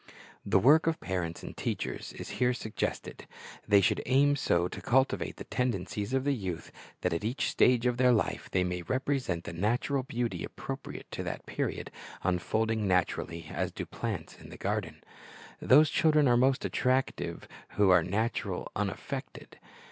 "' The work of parents and teachers is here suggested. They should aim so to cultivate the tendencies of the youth that at each stage of their life they may represent the natural beauty appropriate to that period, unfolding naturally, as do the plants in the garden. Those children are most attractive who are natural, unaffected.